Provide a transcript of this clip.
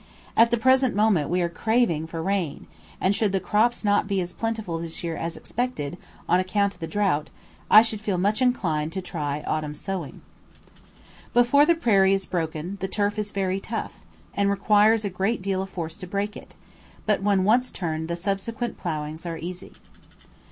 At the present moment we are craving for rain, and should the crops not be as plentiful this year as expected, on account of the drought, I should feel much inclined to try autumn sowing. Before the prairie is broken, the turf is very tough, and requires a great deal of force to break it; but when once turned the subsequent ploughings are easy.